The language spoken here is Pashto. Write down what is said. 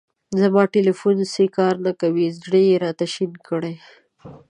زما تیلیفون سیی کار نه کوی. زړه یې را شین کړی.